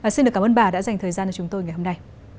xin được cảm ơn bà đã dành thời gian cho chúng tôi ngày hôm nay